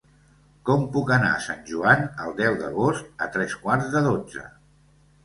Com puc anar a Sant Joan el deu d'agost a tres quarts de dotze?